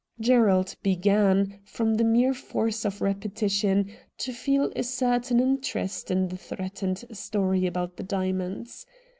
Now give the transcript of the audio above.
Gerald began, from the mere force of repetition, to feel a certain interest in the threatened story about the diamonds.